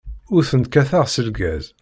Ur tent-kkateɣ s lgaz.